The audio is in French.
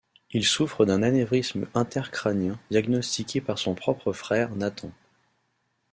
Il souffre d'un anévrisme inter-crânien, diagnostiqué par son propre frère, Nathan.